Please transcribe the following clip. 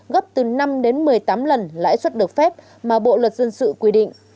gấp từ năm đến một mươi tám lần lãi suất được phép mà bộ luật dân sự quy định